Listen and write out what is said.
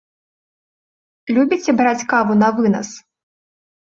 Любіце браць каву навынас?